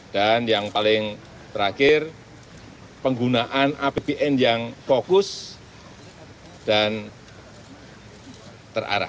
dan yang paling terakhir penggunaan apbn yang fokus dan terarah